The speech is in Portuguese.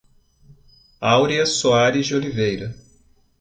Aurea Soares de Oliveira